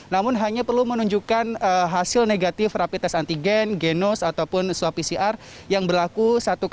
namun hanya perlu menunjukkan hasil negatif rapi tes antigen genos ataupun swab pcr yang berlaku satu x dua puluh empat jam